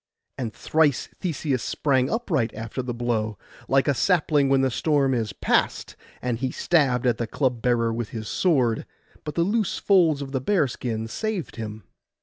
And thrice Theseus sprang upright after the blow, like a sapling when the storm is past; and he stabbed at the club bearer with his sword, but the loose folds of the bearskin saved him.